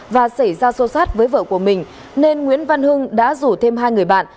và xảy ra xô xát với vợ của mình nên nguyễn văn hưng đã rủ thêm hai người bạn